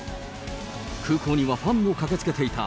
空港にはファンも駆けつけていた。